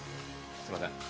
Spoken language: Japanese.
すいません。